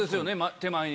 手前に。